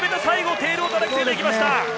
テールを叩きつけていきました。